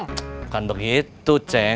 bukan begitu ceng